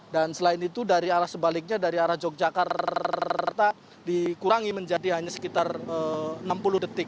dan selain itu dari arah sebaliknya dari arah jogjakarta dikurangi menjadi hanya sekitar enam puluh detik